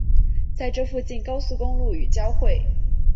在这附近高速公路与交汇。